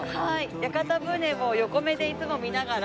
屋形船を横目でいつも見ながら「いいな」と。